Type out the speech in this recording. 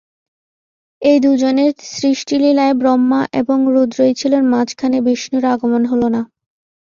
এই দুজনের সৃষ্টিলীলায় ব্রহ্মা এবং রুদ্রই ছিলেন, মাঝখানে বিষ্ণুর আগমন হল না।